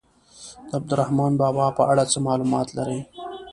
د عبدالرحمان بابا په اړه څه معلومات لرئ.